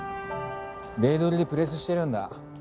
デイドリでプレスしてるんだ。